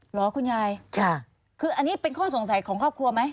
เหรอคุณยายคืออันนี้เป็นข้อสงสัยของครอบครัวไหม